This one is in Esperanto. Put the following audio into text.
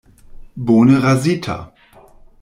Bone razita.